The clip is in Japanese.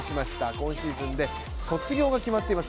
今シーズンで卒業が決まっています。